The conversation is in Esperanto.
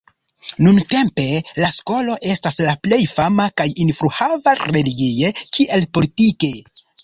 Nuntempe, la skolo estas la plej fama kaj influhava religie kiel politike.